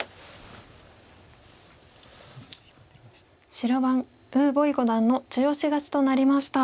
白番呉柏毅五段の中押し勝ちとなりました。